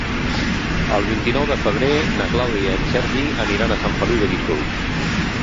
El vint-i-nou de febrer na Clàudia i en Sergi aniran a Sant Feliu de Guíxols.